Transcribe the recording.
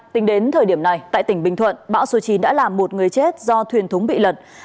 tính đến thời điểm này tại tỉnh bình thuận bão số chín đã làm một người chết do thuyền thúng bị lật